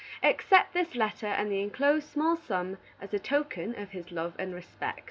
Accept this letter and the inclosed small sum as a token of his love and respect.